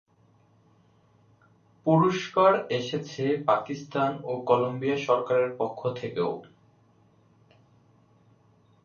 পুরস্কার এসেছে পাকিস্তান ও কলম্বিয়া সরকারের পক্ষ থেকেও।